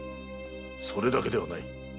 それだけではない。